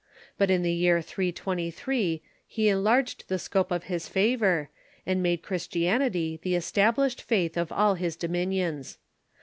But in the year 323 he enlarged the scope of his favor, and made Christianity the established faith of all his dominions.